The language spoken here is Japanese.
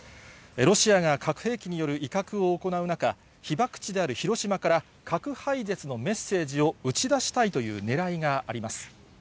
ロシアが核兵器による威嚇を行う中、被爆地である広島から、核廃絶のメッセージを打ち出したいというねらいがあります。